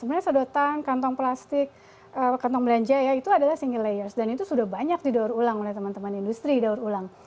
sebenarnya sedotan kantong plastik kantong belanja ya itu adalah single layers dan itu sudah banyak didaur ulang oleh teman teman industri di daur ulang